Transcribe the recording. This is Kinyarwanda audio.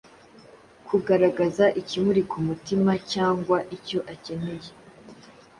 kugaragaza ikimuri ku mutima cyangwa icyo akeneye?”